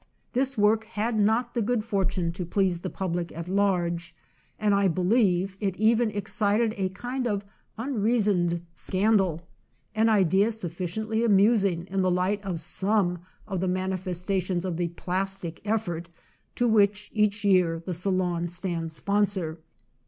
This JOHN S. SARGENT. 691 work had not the good fortune to please the public at large, and I believe it even excited a kind of unreasoned scandal â an idea sufficiently amusing in the light of some of the manifestations of the plastic effort to which, each year, the Salon stands sponsor.